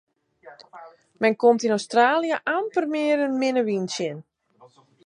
Men komt yn Australië amper mear in minne wyn tsjin.